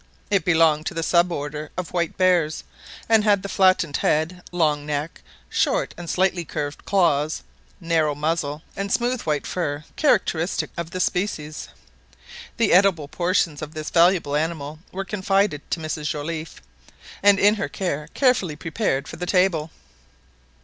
It belonged to the sub order of white bears, and had the flattened head, long neck, short and slightly curved claws, narrow muzzle, and smooth white fur characteristic of the species. The edible portions of this valuable animal were confided to Mrs Joliffe, and by her carefully prepared for the table.